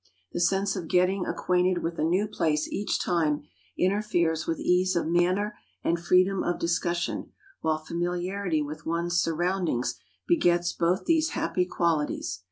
The sense of getting acquainted with a new place each time interferes with ease of manner and freedom of discussion, while familiarity with one's surroundings begets both these happy qualities.